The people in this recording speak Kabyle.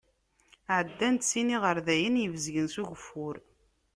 Ɛeddan-d sin iɣerdayen ibezgen s ugeffur.